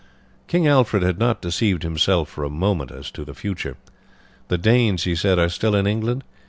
King Alfred had not deceived himself for a moment as to the future. "The Danes," he said, "are still in England.